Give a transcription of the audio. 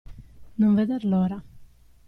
Non veder l'ora.